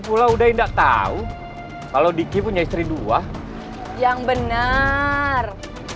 pula udah tidak tahu kalau diki punya istri dua yang benar